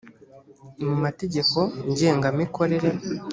mu mategeko ngenga mikorere